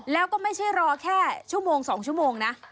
แล้วก็ไม่ใช่รอแค่ชั่วโมง๒ชั่วโมงนะ